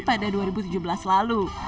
pada dua ribu tujuh belas lalu